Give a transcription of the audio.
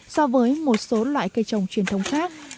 so với một số loại cây trồng truyền thống khác